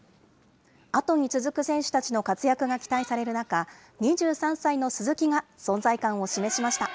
後に続く選手たちの活躍が期待される中、２３歳の鈴木が存在感を示しました。